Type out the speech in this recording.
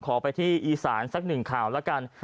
ไปที่อีสานสักหนึ่งข่าวแล้วกัน